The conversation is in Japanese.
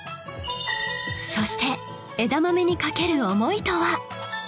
そして枝豆にかける思いとは？